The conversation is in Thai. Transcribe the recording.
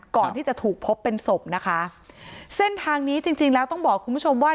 ก่อนที่จะถูกพบเป็นศพนะคะเส้นทางนี้จริงจริงแล้วต้องบอกคุณผู้ชมว่า